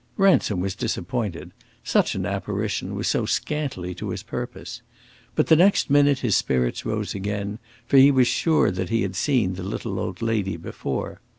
Ransom was disappointed; such an apparition was so scantily to his purpose. But the next minute his spirits rose again, for he was sure that he had seen the little old lady before.